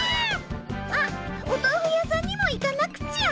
あっお豆腐屋さんにも行かなくちゃ。